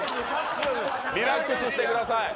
リラックスしてください。